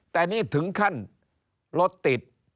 แต่นี่ถึงการลดติด